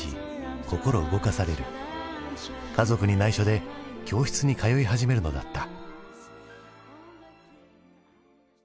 家族にないしょで教室に通い始めるのだった。